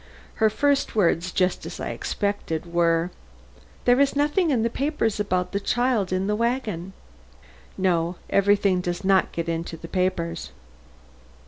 Her first words, just as I expected, were: "There is nothing in the papers about the child in the wagon." "No; everything does not get into the papers."